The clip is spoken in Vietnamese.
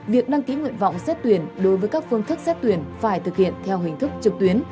việc đăng ký nguyện vọng xét tuyển đối với các phương thức xét tuyển phải thực hiện theo hình thức trực tuyến